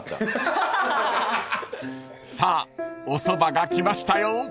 ［さあおそばが来ましたよ］